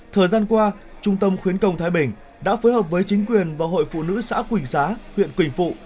thời gian qua trung tâm khuyến công thái bình đã phối hợp với chính quyền và hội phụ nữ xã quỳnh xá huyện quỳnh phụ